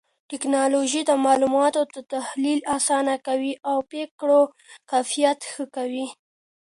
ټکنالوژي د معلوماتو تحليل آسانه کوي او پرېکړو کيفيت ښه کوي.